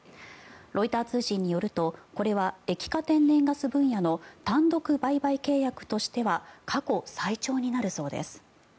ロイター通信によるとこれは液化天然ガス分野の単独売買契約としては過去最長になるそうです。